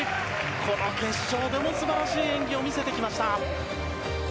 この決勝でも素晴らしい演技を見せてきました。